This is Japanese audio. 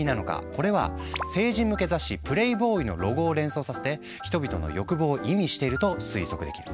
これは成人向け雑誌「プレイボーイ」のロゴを連想させて人々の欲望を意味していると推測できる。